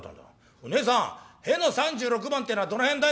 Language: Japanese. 『おいねえさんへの３６番ってのはどの辺だい？』